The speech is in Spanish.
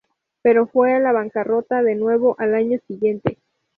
Pero fue a la bancarrota de nuevo al año siguiente.